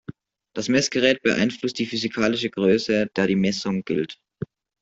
Das Messgerät beeinflusst die physikalische Größe, der die Messung gilt.